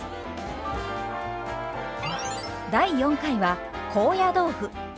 第４回は高野豆腐。